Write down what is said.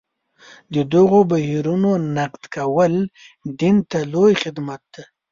د دغو بهیرونو نقد کول دین ته لوی خدمت دی.